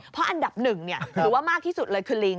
เพราะอันดับหนึ่งหรือว่ามากที่สุดเลยคือลิง